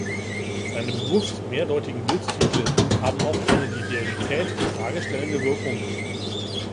Seine bewusst mehrdeutigen Bildtitel haben oft eine die Realität in Frage stellende Wirkung.